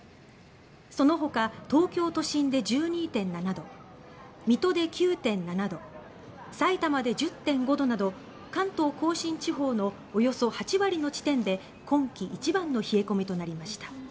そのほか東京都心で１２．７度水戸で９．７度さいたまで１０．５度など関東・甲信地方のおよそ８割の地点で今季一番の冷え込みとなりました。